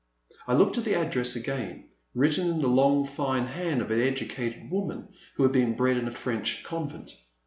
'* I looked at the address again, written in the long fine hand of an educated woman who had been bred in a French convent.